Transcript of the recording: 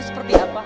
seperti apa ha